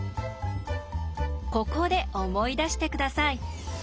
ここで思い出して下さい。